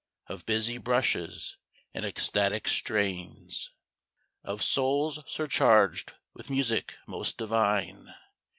_ Of busy brushes, and ecstatic strains _Of souls surcharged with music most divine.